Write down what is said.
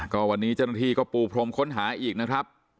ก็วันนี้เจ้าหน้าที่ก็ปูพรมค้นหาอีกนะครับ